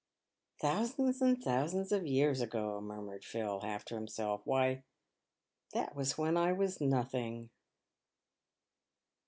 " Thousands and thousands of years ago !" murmured Phil, half to himself; "why, that was when I was nothing."